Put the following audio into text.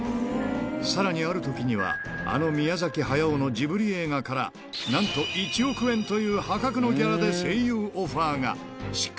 さらにあるときには、あの宮崎駿のジブリ映画から、なんと１億円という破格のギャラで声優オファーが。